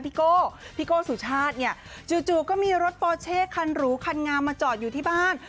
ะพิโกะสุชาติจู่ก็มีรถปอเช็คันรูคันงามมาจอดอยู่ที่บ้าน